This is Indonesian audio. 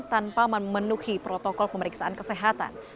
tanpa memenuhi protokol pemeriksaan kesehatan